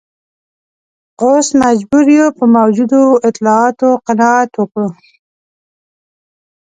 اوس مجبور یو په موجودو اطلاعاتو قناعت وکړو.